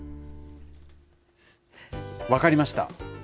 分かりました。